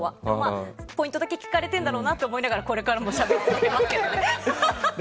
ポイントだけ聞かれてるんだろうなと思ってこれからも話し続けますけどね。